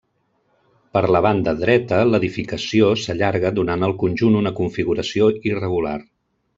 Per la banda dreta, l'edificació s'allarga donant al conjunt una configuració irregular.